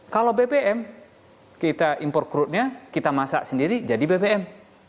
kalau bbm kita impor crudenya kita masak sendiri jadi bbm